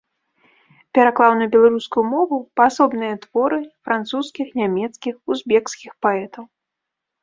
Пераклаў на беларускую мову паасобныя творы французскіх, нямецкіх, узбекскіх паэтаў.